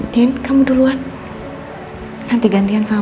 tidak ada yang bisa dikumpulkan